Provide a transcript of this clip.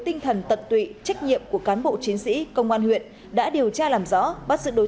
tinh thần tận tụy trách nhiệm của cán bộ chiến sĩ công an huyện đã điều tra làm rõ bắt giữ đối